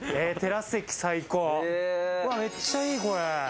めっちゃいい、これ。